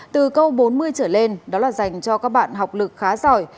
từ câu bốn mươi trở lên đó là dành cho các bạn học lực khá giỏi